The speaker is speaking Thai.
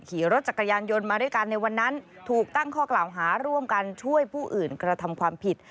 ขี่รถจักรยานยนต์มาด้วยกันในวันนั้นถูกตั้งข้อกล่าวหาร่วมกันช่วยผู้อื่นกระทำความผิด